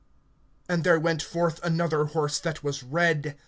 (4)And there went forth another horse that was red.